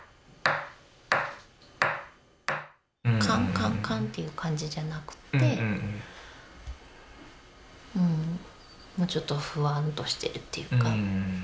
カンカンカンっていう感じじゃなくってもうちょっとフワンとしてるっていうか。